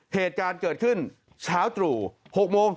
เหตุการณ์เกิดขึ้นเช้าตรู่๖โมง